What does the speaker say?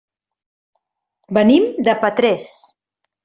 Venim de Petrés.